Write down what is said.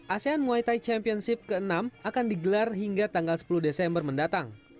asean muay thai championship ke enam akan digelar hingga tanggal sepuluh desember mendatang